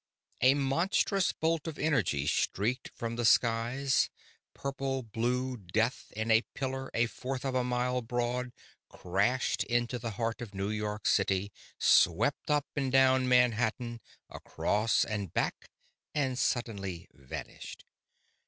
A monstrous bolt of energy streaked from the skies, purple blue death in a pillar a fourth of a mile broad crashed into the heart of New York City, swept up and down Manhattan, across and back, and suddenly vanished.